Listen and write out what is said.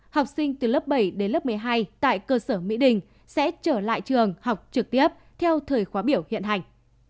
học sinh từ lớp bảy đến lớp một mươi hai tại cơ sở mỹ đình sẽ trở lại trường học trực tiếp theo thời khóa biểu hiện hành